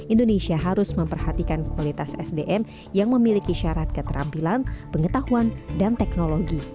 indonesia harus memperhatikan kualitas sdm yang memiliki syarat keterampilan pengetahuan dan teknologi